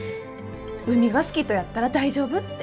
「海が好きとやったら大丈夫」って。